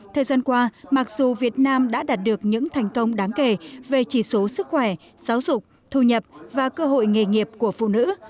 thời gian qua mặc dù việt nam đã đạt được những thành công đáng kể về chỉ số sức khỏe giáo dục thu nhập và cơ hội nghề nghiệp của phụ nữ